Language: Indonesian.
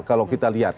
kalau kita lihat